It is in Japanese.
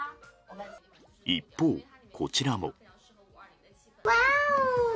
一方、こちらも。